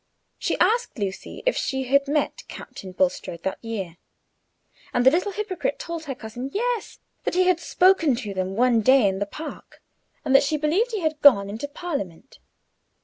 She asked Lucy if she had met Captain Bulstrode that year; and the little hypocrite told her cousin Yes; that he had spoken to them one day in the Park, and that she believed he had gone into Parliament.